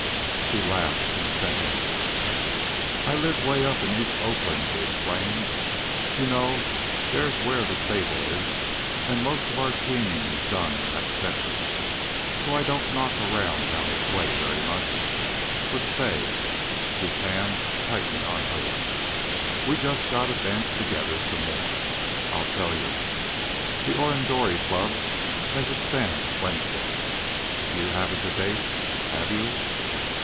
She laughed consentingly. "I live 'way up in East Oakland," he explained. "You know there's where the stable is, an' most of our teaming is done in that section, so I don't knock around down this way much. But, say " His hand tightened on hers. "We just gotta dance together some more. I'll tell you, the Orindore Club has its dance Wednesday. If you haven't a date have you?"